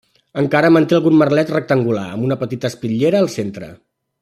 Encara manté algun merlet rectangular, amb una petita espitllera al centre.